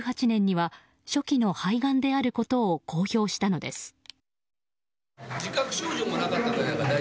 ２０１８年には初期の肺がんであることを公表したのです。